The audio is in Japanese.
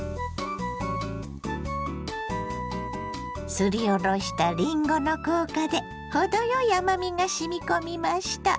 すりおろしたりんごの効果で程よい甘みがしみ込みました。